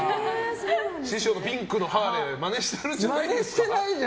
師匠のピンクのハーレーマネしてるんじゃないですか。